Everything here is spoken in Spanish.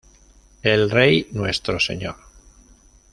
El rey, nuestro señor.